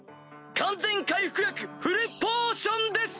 完全回復薬フルポーションです！